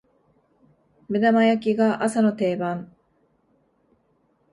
目玉焼きが朝の定番